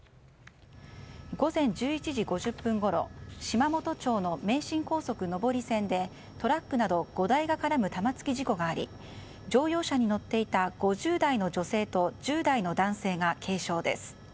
午前１１時５０分ごろ島本町の名神高速上り線でトラックなど５台が絡む玉突き事故があり乗用車に乗っていた５０代の女性と１０代の男性が軽傷です。